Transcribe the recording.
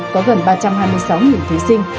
có gần ba trăm hai mươi sáu thí sinh